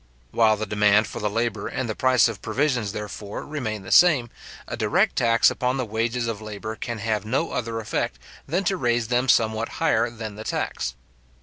While the demand for the labour and the price of provisions, therefore, remain the same, a direct tax upon the wages of labour can have no other effect, than to raise them somewhat higher than the tax.